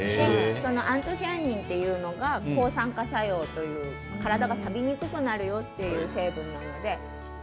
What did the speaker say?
アントシアニンというのが抗酸化作用という体がさびにくくなるよという成分なので。